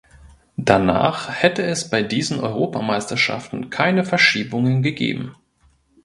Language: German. Danach hätte es bei diesen Europameisterschaften keine Verschiebungen gegeben.